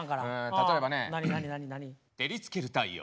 例えばね照りつける太陽。